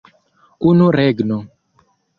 Unu regno!